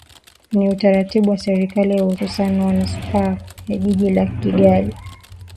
ni utaratibu wa serikali hususan manispaa ya jiji la kigali